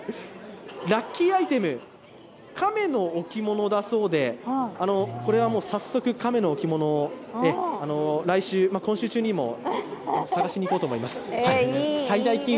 ラッキーアイテム、カメの置物だそうでこれは早速、カメの置物を今週中にも探しにいこうと思います。